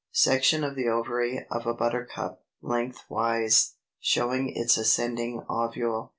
Section of the ovary of a Buttercup, lengthwise, showing its ascending ovule.